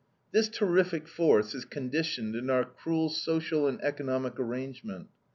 This terrific force is conditioned in our cruel social and economic arrangement.